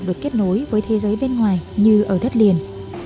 được kết nối với thế giới bên ngoài như ở đất liền